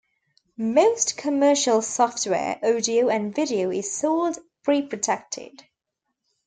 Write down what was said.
Most commercial software, audio and video is sold pre-protected.